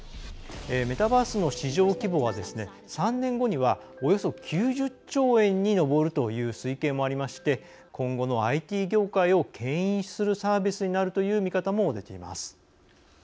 メタバースの市場規模は３年後にはおよそ９０兆円に上るという推計もありまして今後のＩＴ業界をけん引するサービスになるという見方も出ています。